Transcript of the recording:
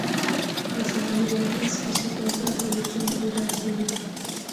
Kwa sababu ya hii spishi kadhaa huitwa mpira pia.